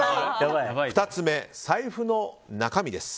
２つ目、財布の中身です。